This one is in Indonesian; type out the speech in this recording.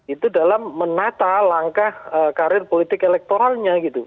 itu dalam menata langkah karir politik elektoralnya gitu